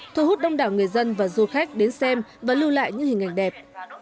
thu hút đông đảo người dân và du khách đến xem và lưu lại những hình ảnh đẹp